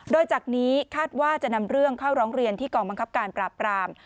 โดยจากนี้คาดว่าจะนำเรื่องเข้าร้องเรียนที่กองบังคับการปราบราม